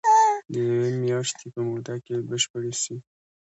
د يوې مياشتي په موده کي بشپړي سي.